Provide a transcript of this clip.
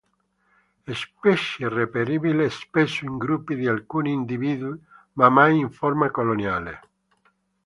Specie reperibile spesso in gruppi di alcuni individui, ma mai in forma coloniale.